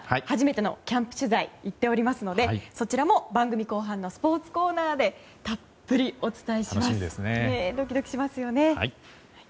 初めてのキャンプ取材に行っていますのでそちらも番組後半のスポーツコーナーでたっぷりお伝えします。